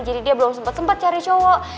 jadi dia belum sempet sempet cari cowok